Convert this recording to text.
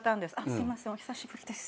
「すいませんお久しぶりです」